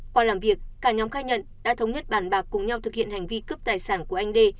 qua làm việc cả nhóm khai nhận đã thống nhất bàn bạc cùng nhau thực hiện hành vi cướp tài sản của anh đê